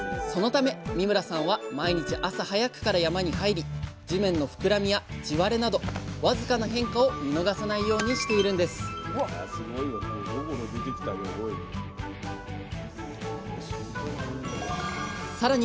そのため三村さんは毎日朝早くから山に入り地面の膨らみや地割れなどわずかな変化を見逃さないようにしているんですさらに